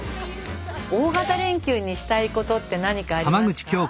大型連休にしたいことって何かありますか？